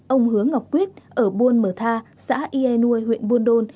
ông hứa ngọc quyết ở buôn mở tha xã yê nuôi huyện buôn đôn